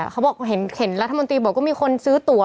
เขาบอกเห็นรัฐมนตรีบอกว่ามีคนซื้อตัว